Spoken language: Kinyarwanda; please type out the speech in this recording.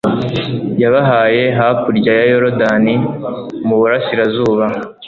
yabahaye hakurya ya yorudani, mu burasirazuba